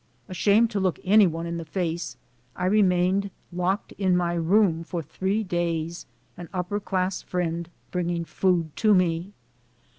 Ashamed to look any one in the face, I remained locked in my room for three days, an upper class friend bringing food to me.